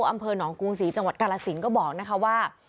อำเภอหนองกรุงศรีจังหวัดกาลสินก็บอกนะคะว่า